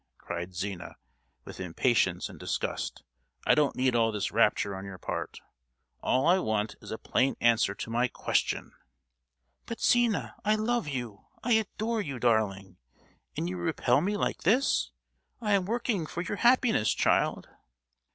cried Zina, with impatience and disgust. "I don't need all this rapture on your part; all I want is a plain answer to my question!" "But, Zina, I love you; I adore you, darling, and you repel me like this! I am working for your happiness, child!"